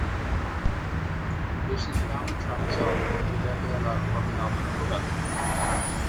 This is the only Travis album without their logo on the album cover.